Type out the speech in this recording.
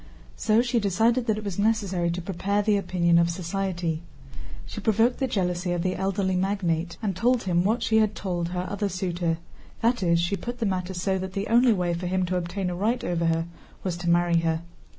So she decided that it was necessary to prepare the opinion of society. She provoked the jealousy of the elderly magnate and told him what she had told her other suitor; that is, she put the matter so that the only way for him to obtain a right over her was to marry her.